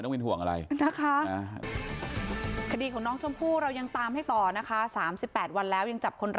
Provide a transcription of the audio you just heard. แต่มันลื่นนาริสร์บอกมันลื่นจริง